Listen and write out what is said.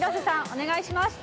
お願いします。